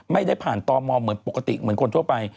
ไม่ได้ผ่านตมเหมือนปกติเหมือนคนทั่วไป